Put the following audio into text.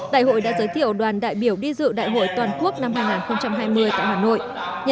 đại hội đã giới thiệu đoàn đại biểu đi dự đại hội toàn quốc năm hai nghìn hai mươi tại hà nội